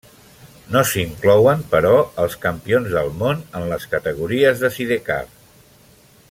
No s'hi inclouen, però, els campions del món en les categories de sidecar.